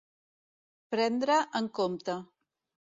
Prendre en compte.